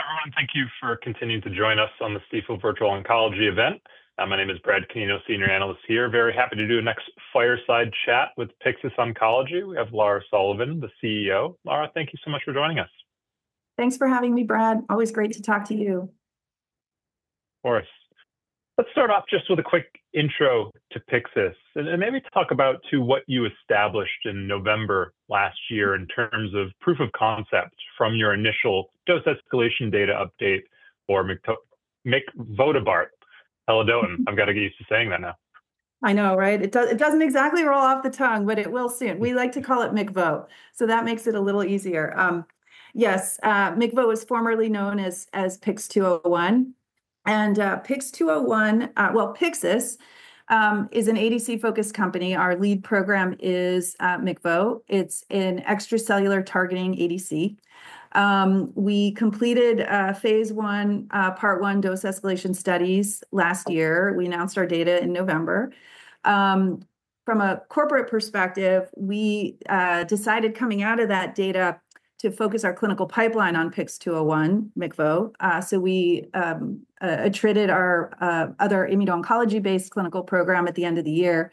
Hi, everyone. Thank you for continuing to join us on the Stifel Virtual Oncology event. My name is Brad Canino, Senior Analyst here. Very happy to do a next fireside chat with Pyxis Oncology. We have Lara Sullivan, the CEO. Lara, thank you so much for joining us. Thanks for having me, Brad. Always great to talk to you. Of course. Let's start off just with a quick intro to Pyxis, and maybe talk about what you established in November last year in terms of proof of concept from your initial dose escalation data update for MICVO. Pelidotin, I've got to get used to saying that now. I know, right? It doesn't exactly roll off the tongue, but it will soon. We like to call it MICVO, so that makes it a little easier. Yes, MICVO was formerly known as Pyx 201. And Pyx 201, well, Pyxis is an ADC-focused company. Our lead program is MICVO. It's an extracellular targeting ADC. We completed phase one, part one dose escalation studies last year. We announced our data in November. From a corporate perspective, we decided coming out of that data to focus our clinical pipeline on Pyx 201, MICVO. We attributed our other immuno-oncology-based clinical program at the end of the year.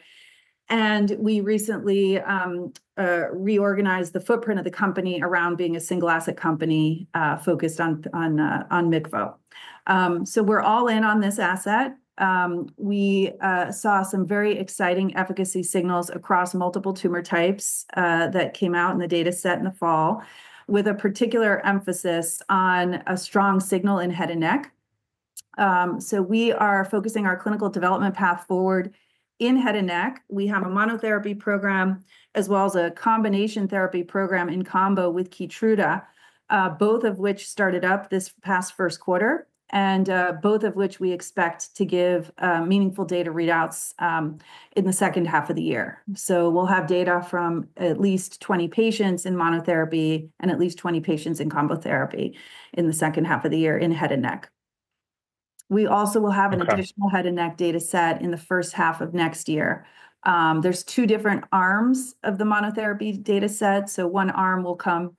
We recently reorganized the footprint of the company around being a single asset company focused on MICVO. We're all in on this asset. We saw some very exciting efficacy signals across multiple tumor types that came out in the data set in the fall, with a particular emphasis on a strong signal in head and neck. We are focusing our clinical development path forward in head and neck. We have a monotherapy program as well as a combination therapy program in combo with Keytruda, both of which started up this past first quarter, and both of which we expect to give meaningful data readouts in the second half of the year. We will have data from at least 20 patients in monotherapy and at least 20 patients in combo therapy in the second half of the year in head and neck. We also will have an additional head and neck data set in the first half of next year. There are two different arms of the monotherapy data set. One arm will come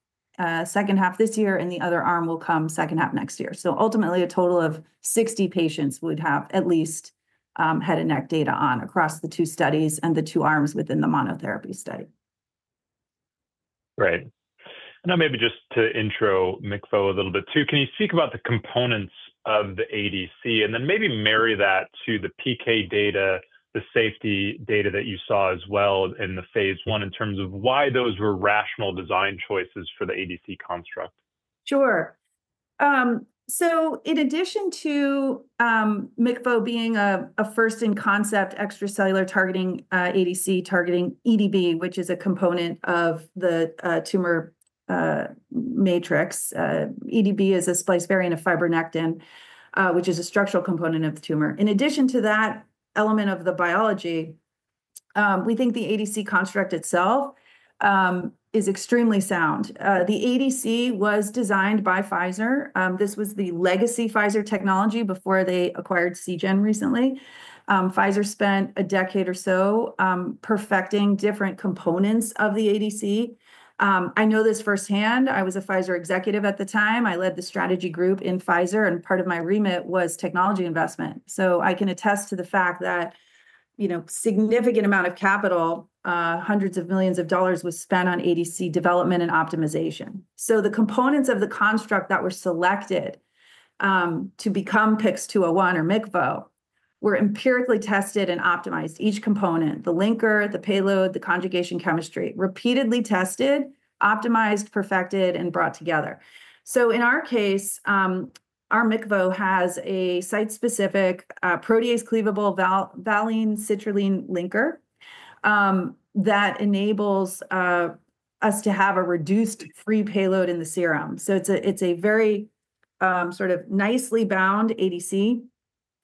second half this year, and the other arm will come second half next year. Ultimately, a total of 60 patients would have at least head and neck data on across the two studies and the two arms within the monotherapy study. Right. Maybe just to intro MICVO a little bit too, can you speak about the components of the ADC and then maybe marry that to the PK data, the safety data that you saw as well in the phase one in terms of why those were rational design choices for the ADC construct? Sure. In addition to MICVO being a first-in-concept extracellular targeting ADC targeting EDB, which is a component of the tumor matrix, EDB is a spliced variant of fibronectin, which is a structural component of the tumor. In addition to that element of the biology, we think the ADC construct itself is extremely sound. The ADC was designed by Pfizer. This was the legacy Pfizer technology before they acquired Seagen recently. Pfizer spent a decade or so perfecting different components of the ADC. I know this firsthand. I was a Pfizer executive at the time. I led the strategy group in Pfizer, and part of my remit was technology investment. I can attest to the fact that a significant amount of capital, hundreds of millions of dollars, was spent on ADC development and optimization. The components of the construct that were selected to become Pyx 201 or MICVO were empirically tested and optimized, each component, the linker, the payload, the conjugation chemistry, repeatedly tested, optimized, perfected, and brought together. In our case, our MICVO has a site-specific protease-cleavable valine-citrulline linker that enables us to have a reduced free payload in the serum. It is a very sort of nicely bound ADC.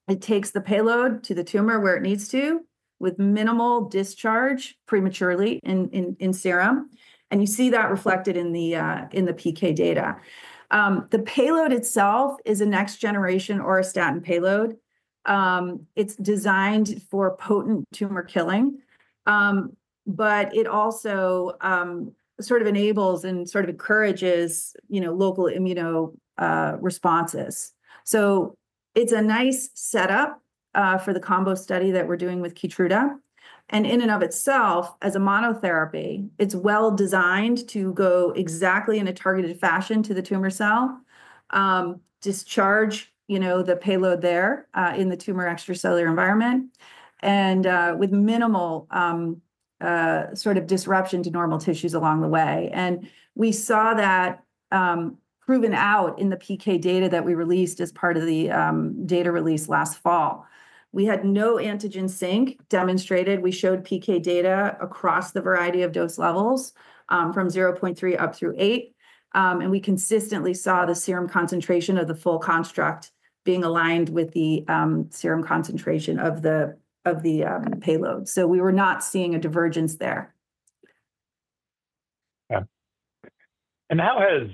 It takes the payload to the tumor where it needs to with minimal discharge prematurely in serum. You see that reflected in the PK data. The payload itself is a next-generation orostatin payload. It is designed for potent tumor killing, but it also sort of enables and sort of encourages local immuno responses. It is a nice setup for the combo study that we are doing with Keytruda. In and of itself, as a monotherapy, it's well designed to go exactly in a targeted fashion to the tumor cell, discharge the payload there in the tumor extracellular environment, and with minimal sort of disruption to normal tissues along the way. We saw that proven out in the PK data that we released as part of the data release last fall. We had no antigen sink demonstrated. We showed PK data across the variety of dose levels from 0.3 up through 8. We consistently saw the serum concentration of the full construct being aligned with the serum concentration of the payload. We were not seeing a divergence there. Yeah. How has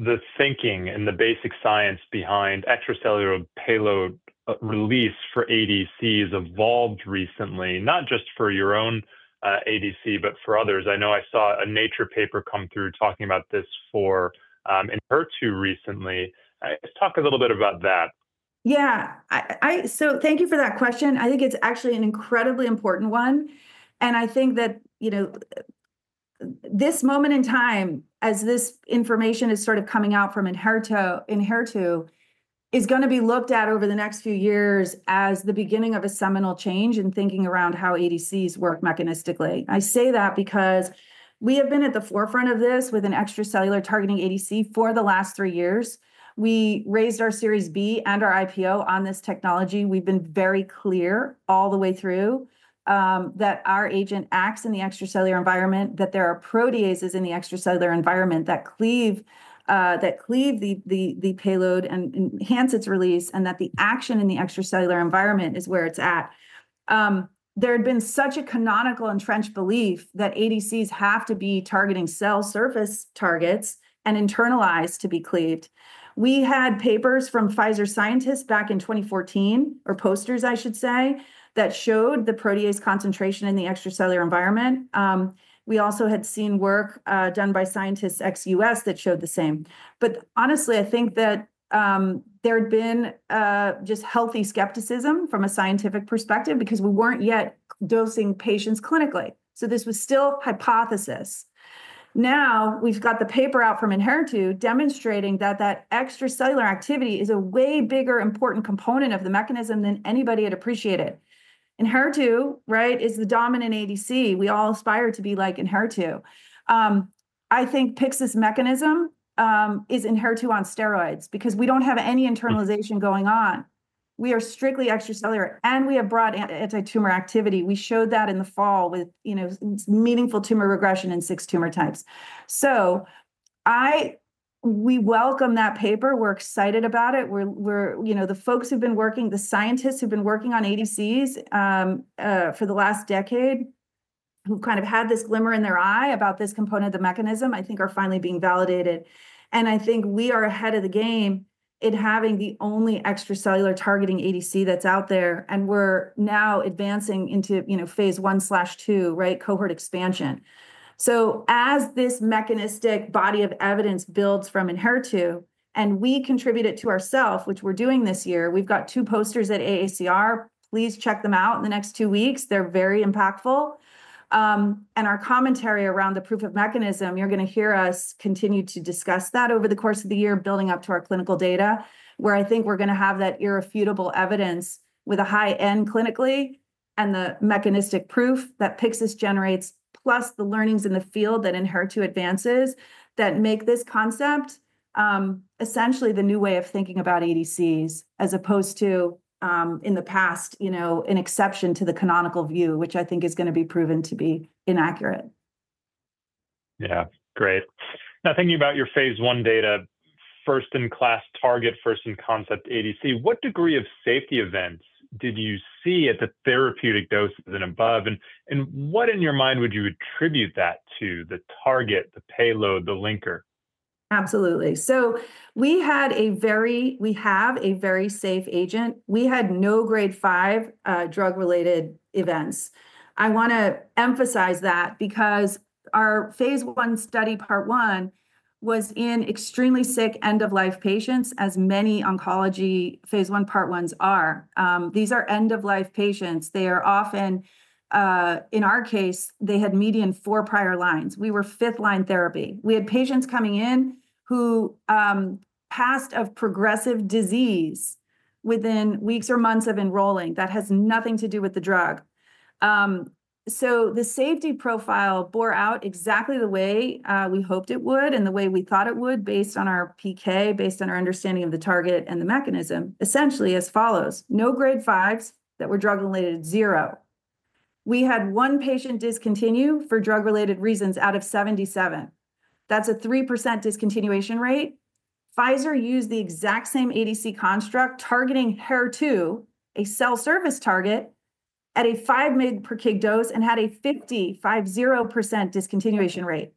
the thinking and the basic science behind extracellular payload release for ADCs evolved recently, not just for your own ADC, but for others? I know I saw a Nature paper come through talking about this for Enhertu recently. Talk a little bit about that. Yeah. Thank you for that question. I think it's actually an incredibly important one. I think that this moment in time, as this information is sort of coming out from Enhertu, is going to be looked at over the next few years as the beginning of a seminal change in thinking around how ADCs work mechanistically. I say that because we have been at the forefront of this with an extracellular targeting ADC for the last three years. We raised our Series B and our IPO on this technology. We've been very clear all the way through that our agent acts in the extracellular environment, that there are proteases in the extracellular environment that cleave the payload and enhance its release, and that the action in the extracellular environment is where it's at. There had been such a canonical entrenched belief that ADCs have to be targeting cell surface targets and internalized to be cleaved. We had papers from Pfizer scientists back in 2014, or posters, I should say, that showed the protease concentration in the extracellular environment. We also had seen work done by scientists ex US that showed the same. Honestly, I think that there had been just healthy skepticism from a scientific perspective because we weren't yet dosing patients clinically. This was still hypothesis. Now we've got the paper out from Enhertu demonstrating that that extracellular activity is a way bigger important component of the mechanism than anybody had appreciated. Enhertu is the dominant ADC. We all aspire to be like Enhertu. I think Pyxis mechanism is Enhertu on steroids because we don't have any internalization going on. We are strictly extracellular, and we have broad anti-tumor activity. We showed that in the fall with meaningful tumor regression in six tumor types. We welcome that paper. We're excited about it. The folks who've been working, the scientists who've been working on ADCs for the last decade, who kind of had this glimmer in their eye about this component of the mechanism, I think are finally being validated. I think we are ahead of the game in having the only extracellular targeting ADC that's out there. We're now advancing into phase one/two, cohort expansion. As this mechanistic body of evidence builds from Enhertu, and we contribute it to ourself, which we're doing this year, we've got two posters at AACR. Please check them out in the next two weeks. They're very impactful. Our commentary around the proof of mechanism, you're going to hear us continue to discuss that over the course of the year, building up to our clinical data, where I think we're going to have that irrefutable evidence with a high end clinically and the mechanistic proof that Pyxis generates, plus the learnings in the field that Enhertu advances that make this concept essentially the new way of thinking about ADCs as opposed to in the past, an exception to the canonical view, which I think is going to be proven to be inaccurate. Yeah. Great. Now, thinking about your phase one data, first-in-class target, first-in-concept ADC, what degree of safety events did you see at the therapeutic doses and above? What in your mind would you attribute that to, the target, the payload, the linker? Absolutely. We have a very safe agent. We had no grade five drug-related events. I want to emphasize that because our phase one study, part one, was in extremely sick end-of-life patients, as many oncology phase one part ones are. These are end-of-life patients. They are often, in our case, they had median four prior lines. We were fifth-line therapy. We had patients coming in who passed of progressive disease within weeks or months of enrolling. That has nothing to do with the drug. The safety profile bore out exactly the way we hoped it would and the way we thought it would based on our PK, based on our understanding of the target and the mechanism, essentially as follows: no grade fives that were drug-related at zero. We had one patient discontinue for drug-related reasons out of 77. That's a 3% discontinuation rate. Pfizer used the exact same ADC construct targeting HER2, a cell surface target, at a 5 per kg dose and had a 50% discontinuation rate.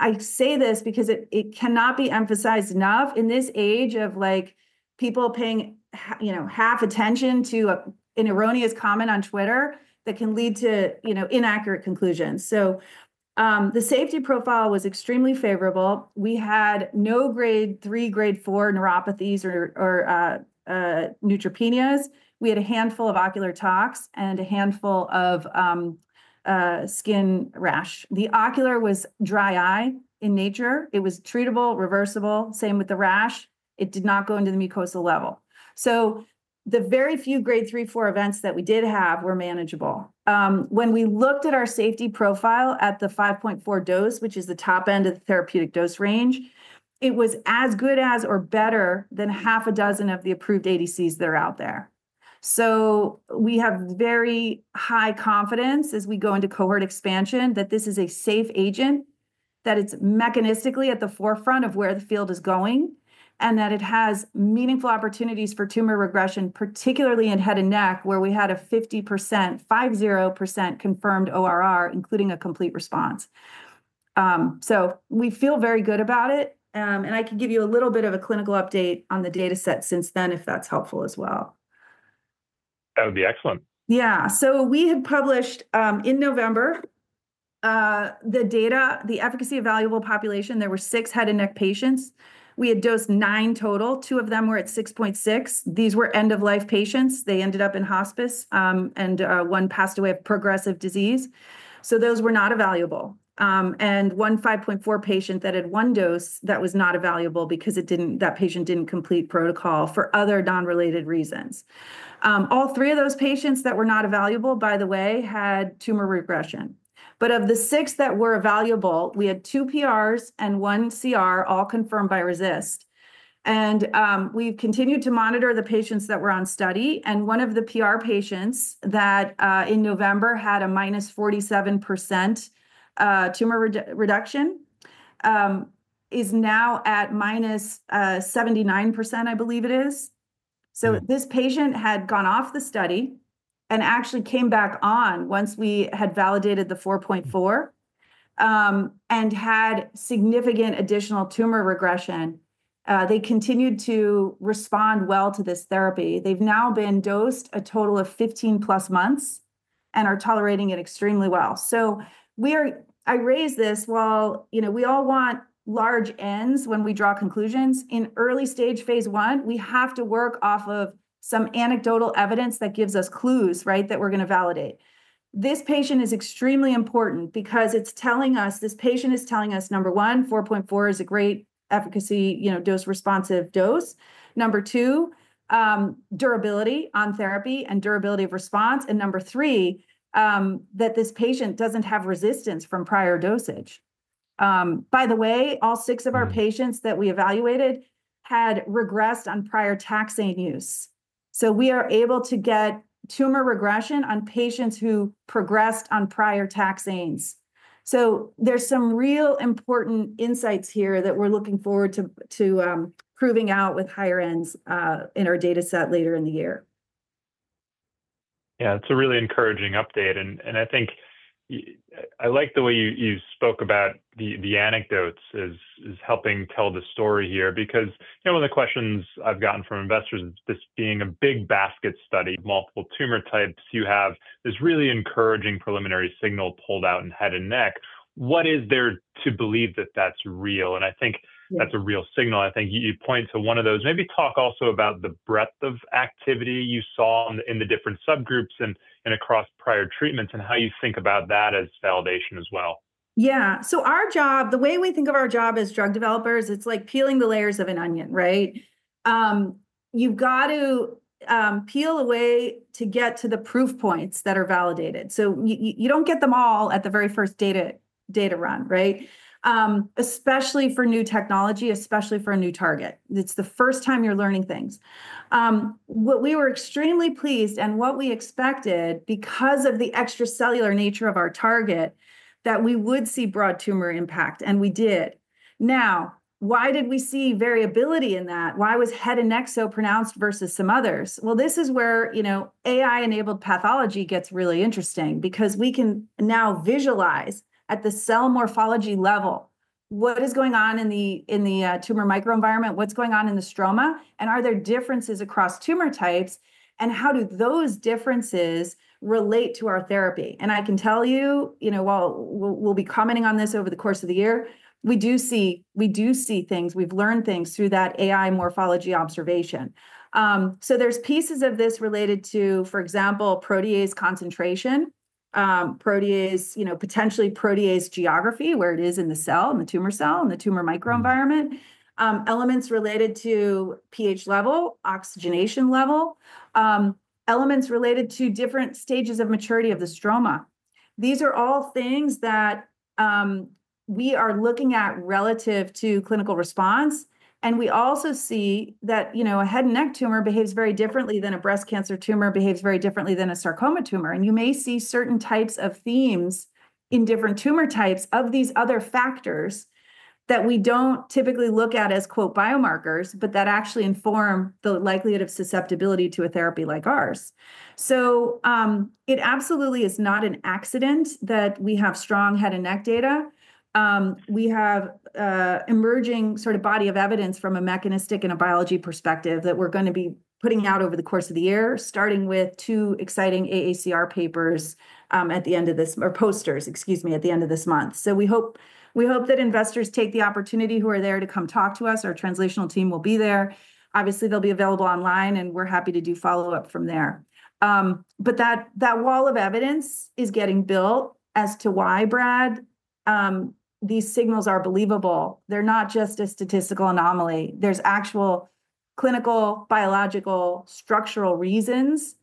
I say this because it cannot be emphasized enough in this age of people paying half attention to an erroneous comment on Twitter that can lead to inaccurate conclusions. The safety profile was extremely favorable. We had no grade 3, grade 4 neuropathies or neutropenias. We had a handful of ocular tox and a handful of skin rash. The ocular was dry eye in nature. It was treatable, reversible. Same with the rash. It did not go into the mucosal level. The very few grade 3, 4 events that we did have were manageable. When we looked at our safety profile at the 5.4 dose, which is the top end of the therapeutic dose range, it was as good as or better than half a dozen of the approved ADCs that are out there. We have very high confidence as we go into cohort expansion that this is a safe agent, that it's mechanistically at the forefront of where the field is going, and that it has meaningful opportunities for tumor regression, particularly in head and neck, where we had a 50% confirmed ORR, including a complete response. We feel very good about it. I can give you a little bit of a clinical update on the data set since then, if that's helpful as well. That would be excellent. Yeah. We had published in November the data, the efficacy evaluable population. There were six head and neck patients. We had dosed nine total. Two of them were at 6.6. These were end-of-life patients. They ended up in hospice, and one passed away of progressive disease. Those were not evaluable. One 5.4 patient that had one dose was not evaluable because that patient did not complete protocol for other non-related reasons. All three of those patients that were not evaluable, by the way, had tumor regression. Of the six that were evaluable, we had two PRs and one CR, all confirmed by RECIST. We have continued to monitor the patients that were on study. One of the PR patients that in November had a -47% tumor reduction is now at -79%, I believe it is. This patient had gone off the study and actually came back on once we had validated the 4.4 and had significant additional tumor regression. They continued to respond well to this therapy. They've now been dosed a total of 15 plus months and are tolerating it extremely well. I raise this while we all want large ends when we draw conclusions. In early stage phase one, we have to work off of some anecdotal evidence that gives us clues that we're going to validate. This patient is extremely important because this patient is telling us, number one, 4.4 is a great efficacy dose-responsive dose. Number two, durability on therapy and durability of response. Number three, that this patient doesn't have resistance from prior dosage. By the way, all six of our patients that we evaluated had regressed on prior taxane use. We are able to get tumor regression on patients who progressed on prior taxanes. There are some real important insights here that we are looking forward to proving out with higher ends in our data set later in the year. Yeah. It's a really encouraging update. I think I like the way you spoke about the anecdotes as helping tell the story here because one of the questions I've gotten from investors is this being a big basket study of multiple tumor types, you have this really encouraging preliminary signal pulled out in head and neck. What is there to believe that that's real? I think that's a real signal. I think you point to one of those. Maybe talk also about the breadth of activity you saw in the different subgroups and across prior treatments and how you think about that as validation as well. Yeah. The way we think of our job as drug developers, it's like peeling the layers of an onion, right? You've got to peel away to get to the proof points that are validated. You don't get them all at the very first data run, especially for new technology, especially for a new target. It's the first time you're learning things. What we were extremely pleased and what we expected because of the extracellular nature of our target that we would see broad tumor impact, and we did. Now, why did we see variability in that? Why was head and neck so pronounced versus some others? This is where AI-enabled pathology gets really interesting because we can now visualize at the cell morphology level what is going on in the tumor microenvironment, what's going on in the stroma, and are there differences across tumor types, and how do those differences relate to our therapy? I can tell you, while we'll be commenting on this over the course of the year, we do see things. We've learned things through that AI morphology observation. There's pieces of this related to, for example, protease concentration, potentially protease geography, where it is in the cell, in the tumor cell, in the tumor microenvironment, elements related to pH level, oxygenation level, elements related to different stages of maturity of the stroma. These are all things that we are looking at relative to clinical response. We also see that a head and neck tumor behaves very differently than a breast cancer tumor, behaves very differently than a sarcoma tumor. You may see certain types of themes in different tumor types of these other factors that we do not typically look at as, quote, biomarkers, but that actually inform the likelihood of susceptibility to a therapy like ours. It absolutely is not an accident that we have strong head and neck data. We have an emerging sort of body of evidence from a mechanistic and a biology perspective that we are going to be putting out over the course of the year, starting with two exciting AACR papers at the end of this, or posters, excuse me, at the end of this month. We hope that investors take the opportunity who are there to come talk to us. Our translational team will be there. Obviously, they'll be available online, and we're happy to do follow-up from there. That wall of evidence is getting built as to why, Brad, these signals are believable. They're not just a statistical anomaly. There's actual clinical, biological, structural reasons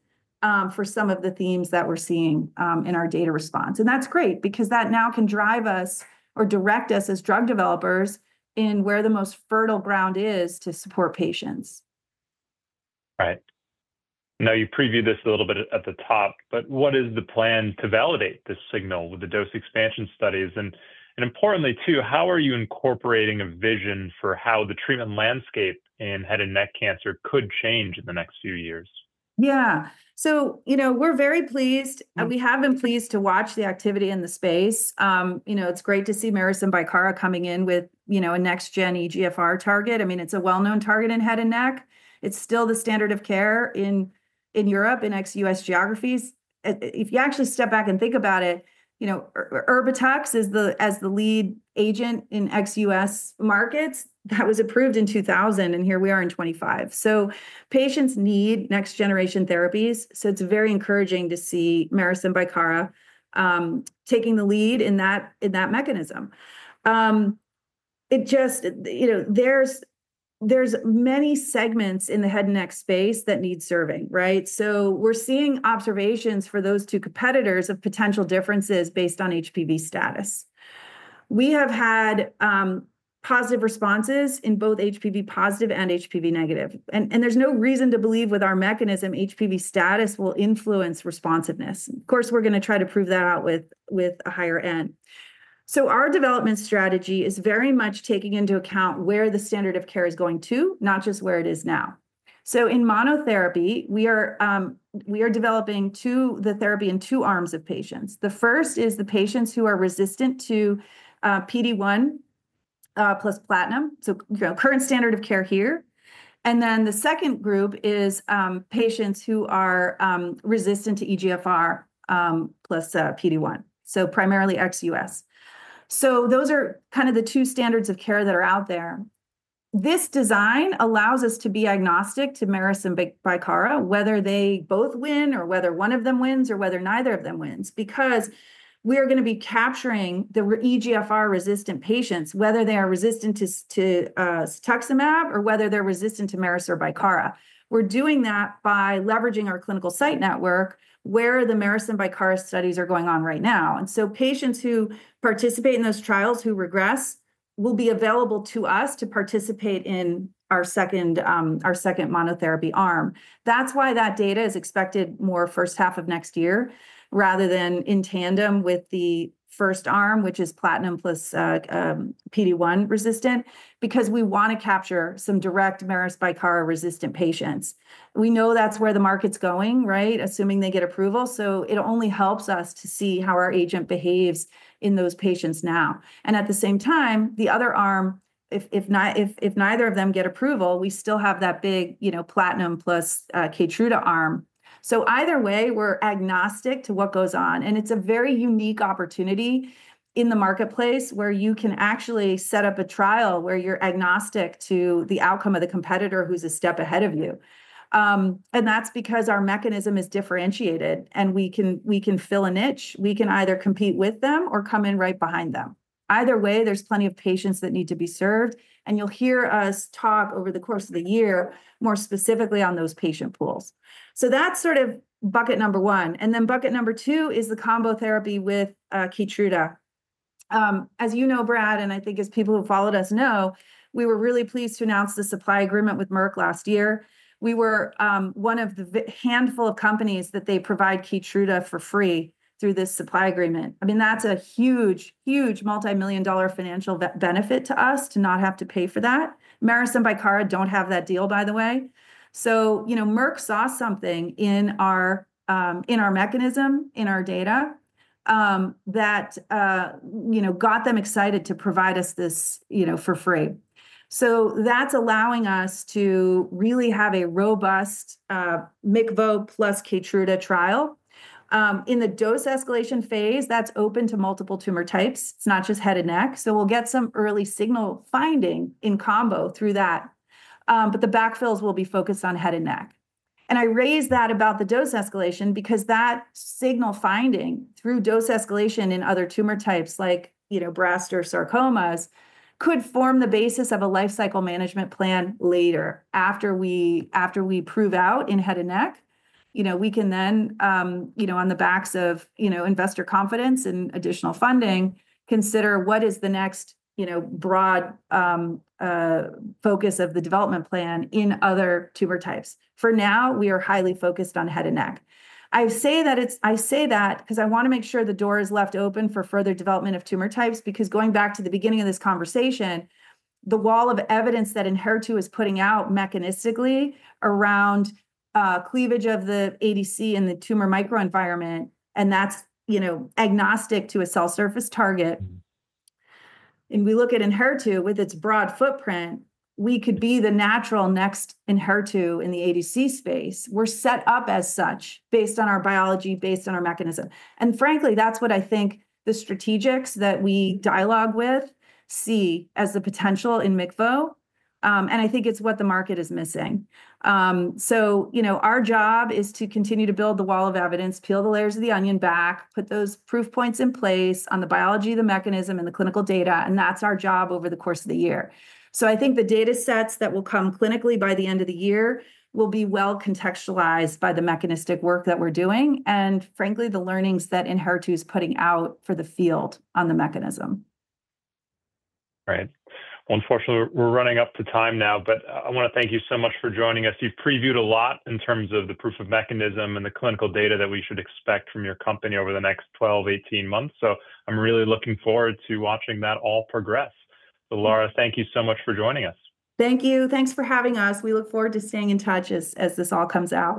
for some of the themes that we're seeing in our data response. That's great because that now can drive us or direct us as drug developers in where the most fertile ground is to support patients. Right. I know you previewed this a little bit at the top, but what is the plan to validate this signal with the dose expansion studies? Importantly, too, how are you incorporating a vision for how the treatment landscape in head and neck cancer could change in the next few years? Yeah. We are very pleased, and we have been pleased to watch the activity in the space. It's great to see Bicara Therapeutics coming in with a next-gen EGFR target. I mean, it's a well-known target in head and neck. It's still the standard of care in Europe and ex-U.S. geographies. If you actually step back and think about it, Erbitux as the lead agent in ex-U.S. markets, that was approved in 2000, and here we are in 2025. Patients need next-generation therapies. It is very encouraging to see Bicara Therapeutics taking the lead in that mechanism. There are many segments in the head and neck space that need serving, right? We are seeing observations for those two competitors of potential differences based on HPV status. We have had positive responses in both HPV positive and HPV negative. There is no reason to believe with our mechanism, HPV status will influence responsiveness. Of course, we're going to try to prove that out with a higher end. Our development strategy is very much taking into account where the standard of care is going to, not just where it is now. In monotherapy, we are developing the therapy in two arms of patients. The first is the patients who are resistant to PD-1 plus platinum, so current standard of care here. The second group is patients who are resistant to EGFR plus PD-1, so primarily ex-US. Those are kind of the two standards of care that are out there. This design allows us to be agnostic to Bicara Therapeutics, whether they both win or whether one of them wins or whether neither of them wins, because we are going to be capturing the EGFR-resistant patients, whether they are resistant to cetuximab or whether they're resistant to Bicara Therapeutics. We're doing that by leveraging our clinical site network where the Bicara Therapeutics studies are going on right now. Patients who participate in those trials who regress will be available to us to participate in our second monotherapy arm. That's why that data is expected more first half of next year rather than in tandem with the first arm, which is platinum plus PD-1 resistant, because we want to capture some direct Bicara Therapeutics-resistant patients. We know that's where the market's going, assuming they get approval. It only helps us to see how our agent behaves in those patients now. At the same time, the other arm, if neither of them get approval, we still have that big platinum plus Keytruda arm. Either way, we're agnostic to what goes on. It is a very unique opportunity in the marketplace where you can actually set up a trial where you're agnostic to the outcome of the competitor who's a step ahead of you. That is because our mechanism is differentiated, and we can fill a niche. We can either compete with them or come in right behind them. Either way, there are plenty of patients that need to be served. You'll hear us talk over the course of the year more specifically on those patient pools. That is sort of bucket number one. Bucket number two is the combo therapy with Keytruda. As you know, Brad, and I think as people who followed us know, we were really pleased to announce the supply agreement with Merck last year. We were one of the handful of companies that they provide Keytruda for free through this supply agreement. I mean, that's a huge, huge multi-million dollar financial benefit to us to not have to pay for that. Marison Bicara don't have that deal, by the way. So Merck saw something in our mechanism, in our data that got them excited to provide us this for free. That's allowing us to really have a robust MICVO plus Keytruda trial. In the dose escalation phase, that's open to multiple tumor types. It's not just head and neck. We'll get some early signal finding in combo through that. The backfills will be focused on head and neck. I raised that about the dose escalation because that signal finding through dose escalation in other tumor types like breast or sarcomas could form the basis of a lifecycle management plan later. After we prove out in head and neck, we can then, on the backs of investor confidence and additional funding, consider what is the next broad focus of the development plan in other tumor types. For now, we are highly focused on head and neck. I say that because I want to make sure the door is left open for further development of tumor types because going back to the beginning of this conversation, the wall of evidence that Enhertu is putting out mechanistically around cleavage of the ADC and the tumor microenvironment, and that's agnostic to a cell surface target. We look at Enhertu with its broad footprint, we could be the natural next Enhertu in the ADC space. We're set up as such based on our biology, based on our mechanism. Frankly, that's what I think the strategics that we dialogue with see as the potential in MICVO. I think it's what the market is missing. Our job is to continue to build the wall of evidence, peel the layers of the onion back, put those proof points in place on the biology, the mechanism, and the clinical data. That's our job over the course of the year. I think the data sets that will come clinically by the end of the year will be well contextualized by the mechanistic work that we're doing and, frankly, the learnings that Enhertu is putting out for the field on the mechanism. Right. Unfortunately, we're running up to time now, but I want to thank you so much for joining us. You've previewed a lot in terms of the proof of mechanism and the clinical data that we should expect from your company over the next 12, 18 months. I'm really looking forward to watching that all progress. Lara, thank you so much for joining us. Thank you. Thanks for having us. We look forward to staying in touch as this all comes out.